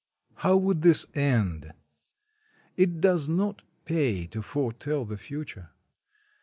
How would this end ?— It does not pay to foretell the future.